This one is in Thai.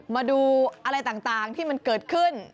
มาดูอะไรต่างที่มันเกิดขึ้น